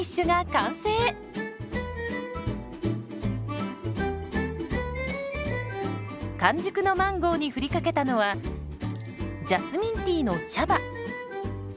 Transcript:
完熟のマンゴーに振りかけたのはジャスミンティーの茶葉。